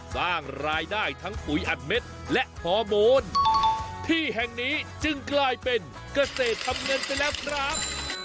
สร้างรายได้ทั้งปุ๋ยอัดเม็ดและฮอร์โมนที่แห่งนี้จึงกลายเป็นเกษตรทำเงินไปแล้วครับ